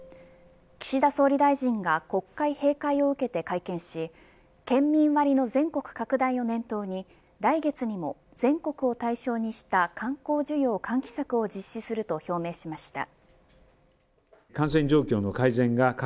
岸田総理大臣が国会閉会を受けて会見し県民割の全国拡大を念頭に来月にも全国を対象にした観光需要喚起策を実施すると表明しました。